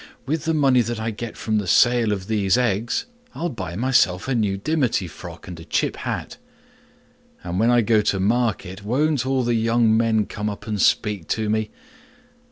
With the money that I get from the sale of these eggs I'll buy myself a new dimity frock and a chip hat; and when I go to market, won't all the young men come up and speak to me!